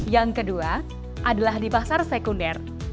yang kedua adalah di pasar sekunder